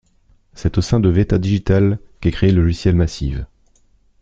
C'est au sein de Weta Digital qu'est crée le logiciel Massive.